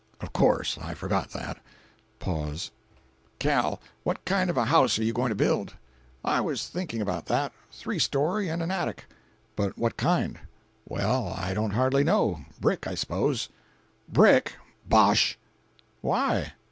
"Of course. I forgot that." Pause. 282.jpg (70K) "Cal., what kind of a house are you going to build?" "I was thinking about that. Three story and an attic." "But what kind?" "Well, I don't hardly know. Brick, I suppose." "Brick—bosh." "Why?